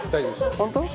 本当？